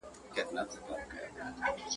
فقير ته د سپو سلا يوه ده.